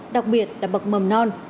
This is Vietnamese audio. đặc biệt là bậc mầm non